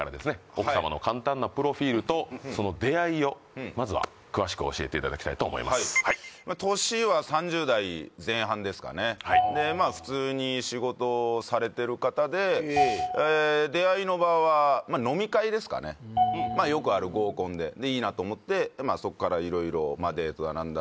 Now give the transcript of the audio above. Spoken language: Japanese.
奥様の簡単なプロフィールとその出会いをまずは詳しく教えていただきたいと思います年は３０代前半ですかねでまっ普通に仕事をされてる方で出会いの場は飲み会ですかねよくある合コンででいいなと思ってまっそっから色々デートだ何だ